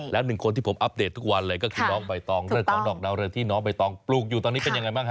แล้วหนึ่งคนที่ผมอัปเดตทุกวันเลยก็คือน้องใบตองเรื่องของดอกดาวเรือที่น้องใบตองปลูกอยู่ตอนนี้เป็นยังไงบ้างฮ